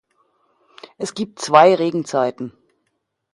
Es gibt zwei Regenzeiten.